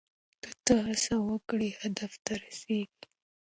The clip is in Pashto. که ته هڅه وکړې هدف ته رسیږې.